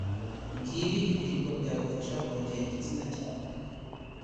ngibi ibiribwa byagufasha kongera igitsina cyawe